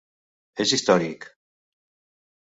És històric.